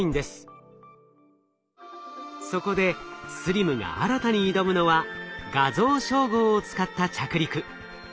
そこでＳＬＩＭが新たに挑むのは画像照合を使った着陸。